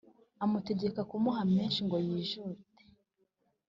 amutegeka kumuha menshi ngo yijute.